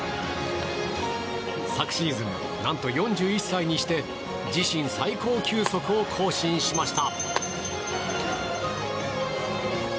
昨シーズン、何と４１歳にして自身最高球速を更新しました。